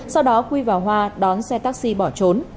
sau đó quy và hoa đón xe taxi bỏ trốn